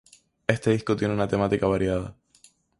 Este disco tiene una temática variada.